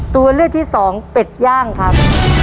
ตัวเลือกที่สองเป็ดย่างครับ